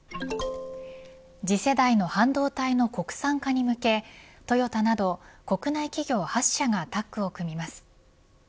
次世代の半導体の国産化に向けトヨタなど国内企業８社がタッグを組みます。